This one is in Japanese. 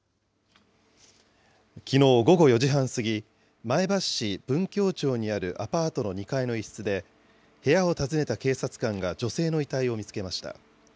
きのう午後４時半過ぎ、前橋市文京町にあるアパートの２階の一室で、部屋を訪ねた警察官が女性の遺体を見つけました。